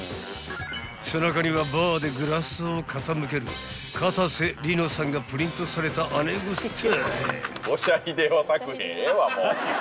［背中にはバーでグラスを傾けるかたせ梨乃さんがプリントされた姉御スタイル］